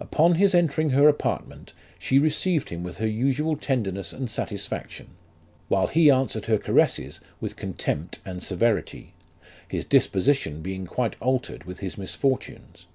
Upon his entering her apartment, she received him with her usual tenderness and satisfaction ; while he answered her caresses with contempt and severity ; his disposition being quite altered with his misfortunes.